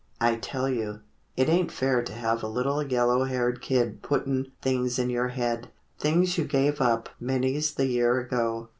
I tell you, it ain't fair to have a little Yellow haired kid puttin' things in your head,— Things you gave up many's the year ago.